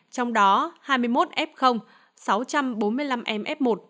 trong đó hai mươi một f sáu trăm bốn mươi năm m f một